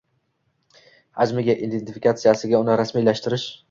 hajmiga, identifikatsiyasiga, uni rasmiylashtirish